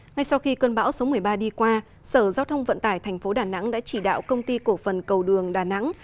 ngay sau khi cơn bão số một mươi ba đi qua sở giao thông vận tải thành phố đà nẵng đã chỉ đạo công ty cổ phần cầu đường đà nẵng